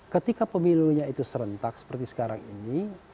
ketika pemilunya itu serentak seperti sekarang ini